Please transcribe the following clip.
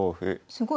すごい。